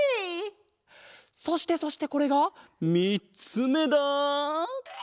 そしてそしてこれがみっつめだ！